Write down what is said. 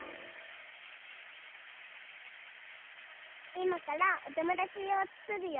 いまからおともだちをつくるよ。